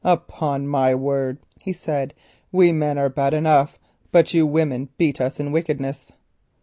"Upon my word," he said, "we men are bad enough, but you women beat us in wickedness."